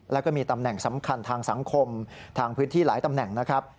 แล้วก็มีตำแหน่งสำคัญทางสังคมทางพื้นที่หลายตำแหน่งนะครับ